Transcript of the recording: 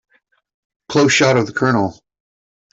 Close shot of the COLONEL.